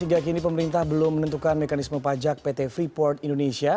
hingga kini pemerintah belum menentukan mekanisme pajak pt freeport indonesia